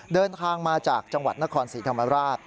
เดินทางมาจากจังหวัดนครศรีธรรมราช